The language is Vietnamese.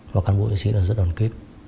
và cán bộ sĩ là rất đoàn kết